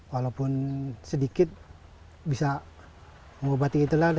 walaupun sedikit bisa mengobati itulah